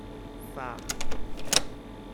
سَخت